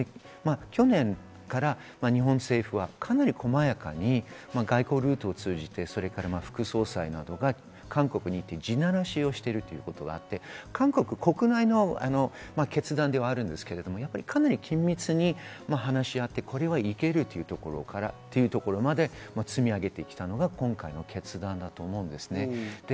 去年から日本政府はかなり細やかに外交ルートを通じて、副総裁とか韓国に行って、地慣らしをしていることがあって、韓国国内の決断ではあるんですが、かなり緊密に話し合って、これはいけるというところからそこまで積み上げてきたのが今回の決断だと思うんです。